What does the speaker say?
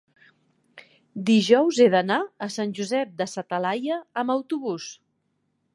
Dijous he d'anar a Sant Josep de sa Talaia amb autobús.